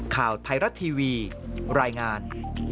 ข่าวไทยรัฐทีวีรายงาน